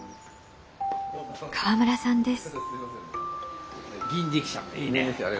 河村さんです。